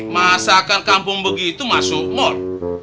masakan kampung begitu masuk mal